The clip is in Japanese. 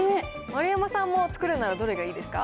丸山さんも作るならどれがいいですか。